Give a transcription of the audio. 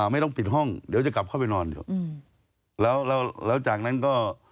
ไม่ต้องปิดห้องเดี๋ยวจะกลับเข้าไปนอนอยู่แล้วแล้วจากนั้นก็